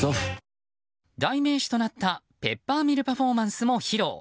代名詞となったペッパーミルパフォーマンスも披露。